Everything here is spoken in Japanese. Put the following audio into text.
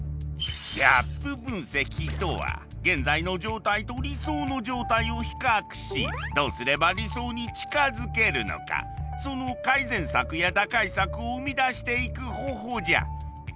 ギャップ分析とは現在の状態と理想の状態を比較しどうすれば理想に近づけるのかその改善策や打開策を生み出していく方法じゃ。